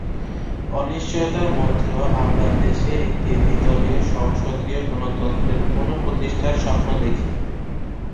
অনিশ্চয়তার মধ্যেও আমরা দেশে একটি দ্বিদলীয় সংসদীয় গণতন্ত্রের পুনঃপ্রতিষ্ঠার স্বপ্ন দেখি।